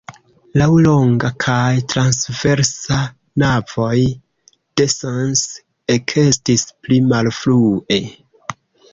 Laŭlonga kaj transversa navoj de Sens ekestis pli malfrue.